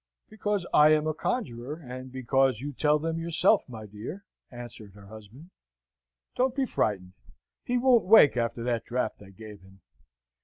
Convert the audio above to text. "Because I am a conjurer, and because you tell them yourself, my dear," answered her husband. "Don't be frightened: he won't wake after that draught I gave him.